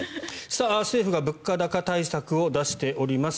政府が物価高対策を出しております。